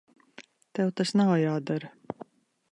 Tev tas nav jādara.